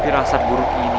kira kira buruk ini